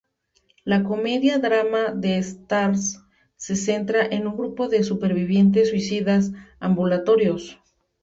La comedia-drama de Starz se centra en un grupo de supervivientes suicidas ambulatorios.